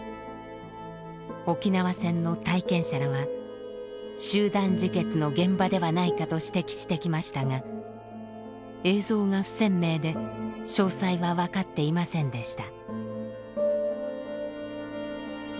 沖縄戦の体験者らは集団自決の現場ではないかと指摘してきましたが映像が不鮮明で詳細は分かっていませんでした。